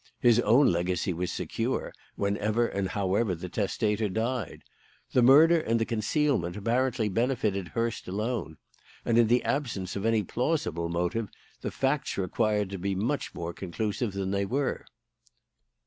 His own legacy was secure, whenever and however the testator died. The murder and concealment apparently benefited Hurst alone; and, in the absence of any plausible motive, the facts required to be much more conclusive than they were."